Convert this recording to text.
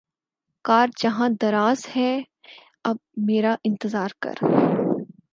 کار جہاں دراز ہے اب میرا انتظار کر